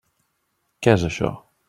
Què és això?